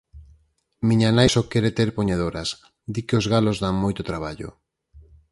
Miña nai só quere ter poñedoras, di que os galos dan moito traballo.